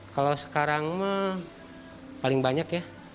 kalau sekarang mah paling banyak ya